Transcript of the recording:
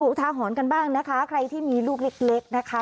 อุทาหรณ์กันบ้างนะคะใครที่มีลูกเล็กนะคะ